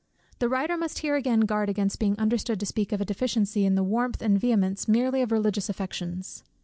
The writer must here again guard against being understood to speak of a deficiency in the warmth and vehemence merely of religious affections.